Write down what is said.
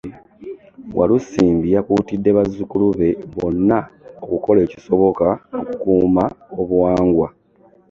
Walusimbi yakuutidde bazzukulu be bonna okukola ekisoboka okukuuma obuwangwa